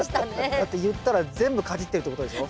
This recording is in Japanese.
だって言ったら全部かじってるってことでしょ。